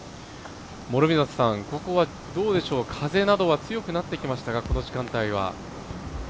ここはどうでしょう、風などは強くなってきましたが、この時間帯は。